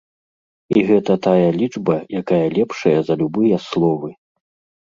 І гэта тая лічба, якая лепшая за любыя словы.